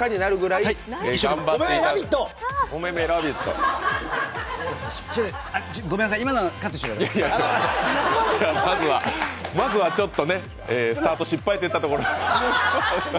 いやいや、まずはちょっとスタート失敗といったところで。